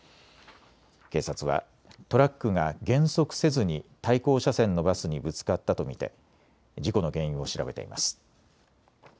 警察はトラックが減速せずに対向車線のバスにぶつかったと見て事故の原因を調べています。